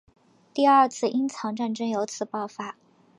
第二次英藏战争由此爆发。